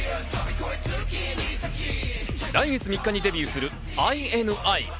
来月３日にデビューするＩＮＩ。